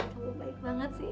ya allah kamu baik banget sih ya